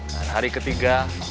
dan hari ketiga